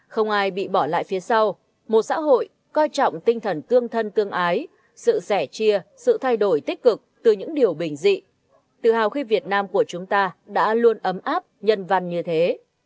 không ai bị bỏ lại phía sau một xã hội coi trọng tinh thần tương thân tương ái sự sẻ chia sự thay đổi tích cực từ những điều bình dị tự hào khi việt nam của chúng ta đã luôn ấm áp nhân văn như thế